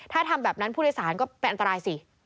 ถ้าทำแบบนั้นผู้โดยสารก็เป็นอันตรายสิ